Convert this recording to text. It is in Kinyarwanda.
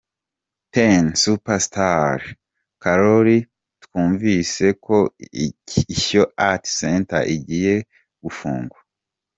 Ten super stars: Carole, twumvise ko Ishyo art center igiye gufungwa.